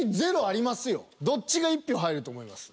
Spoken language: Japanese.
どっちが１票入ると思います？